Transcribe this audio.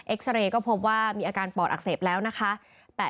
ซาเรย์ก็พบว่ามีอาการปอดอักเสบแล้วนะคะ